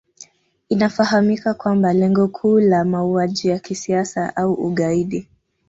Inafahamika kwamba lengo kuu la mauaji ya kisiasa au ugaidi